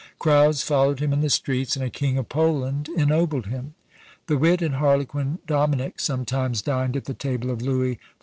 Crowds followed him in the streets, and a King of Poland ennobled him. The Wit and Harlequin Dominic sometimes dined at the table of Louis XIV.